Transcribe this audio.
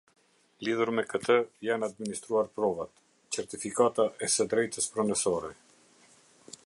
Lidhur me këtë, janë administruar provat: Çertifikata e së drejtës pronësore.